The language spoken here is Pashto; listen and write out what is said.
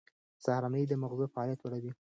سهارنۍ د مغزو فعالیت لوړوي.